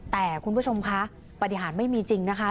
แต่คุณผู้ชมคะปฏิหารไม่มีจริงนะคะ